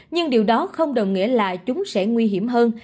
nhưng điều đó không đồng nghĩa là chúng sẽ nguy hiểm hơn